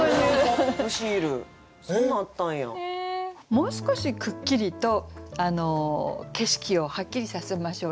もう少しくっきりと景色をはっきりさせましょう。